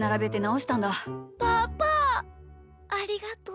ありがとう。